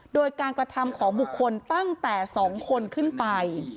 โดยการกระทำของบุคคลตั้งแต่๒คนขึ้นไป